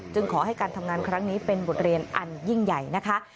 ขอให้การทำงานครั้งนี้เป็นบทเรียนอันยิ่งใหญ่นะคะ